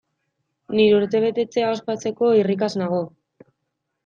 Nire urtebetetzea ospatzeko irrikaz nago!